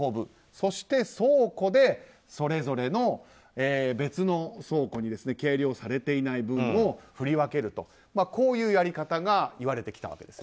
そして倉庫でそれぞれ別の倉庫に計量されていない分を振り分けるとこういうやり方がいわれてきたわけです。